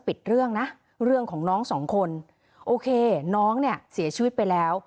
ปิดเรื่องนะเรื่องของน้องสองคนโอเคน้องเนี่ยเสียชีวิตไปแล้ว